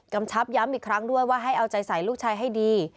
ชับย้ำอีกครั้งด้วยว่าให้เอาใจใส่ลูกชายให้ดี